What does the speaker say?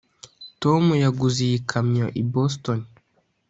tom yaguze iyi kamyo i boston.